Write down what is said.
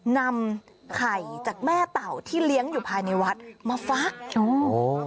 นำไข่จากแม่เต่าที่เลี้ยงอยู่ภายในวัดมาฟักโอ้